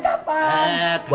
kepala kami be